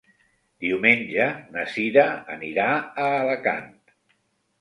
Diumenge na Sira anirà a Alacant.